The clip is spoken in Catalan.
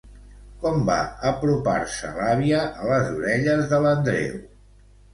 Com va apropar-se l'àvia a les orelles de l'Andreu?